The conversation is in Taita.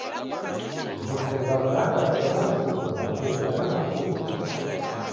Vifwa va w'aka w'iko na misigo vachurukie agha matuku.